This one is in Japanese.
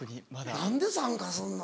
何で参加すんの？